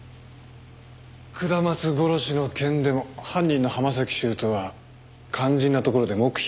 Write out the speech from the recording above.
下松殺しの件でも犯人の浜崎修斗は肝心なところで黙秘を決め込んでるしな。